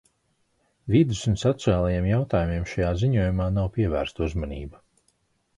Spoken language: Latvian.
Vides un sociālajiem jautājumiem šajā ziņojumā nav pievērsta uzmanība.